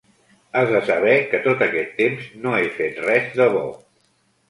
Has de saber que tot aquest temps no he fet res de bo.